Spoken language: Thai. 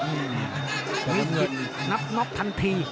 มืดหิดนับนับทันที